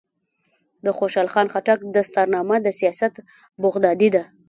د خوشحال خان خټک دستارنامه د سیاست بغدادي ده.